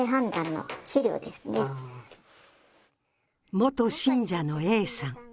元信者のＡさん。